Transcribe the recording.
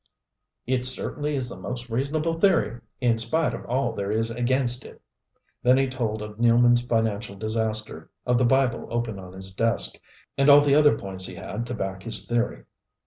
"It certainly is the most reasonable theory, in spite of all there is against it." Then he told of Nealman's financial disaster, of the Bible open on his desk, and all the other points he had to back his theory.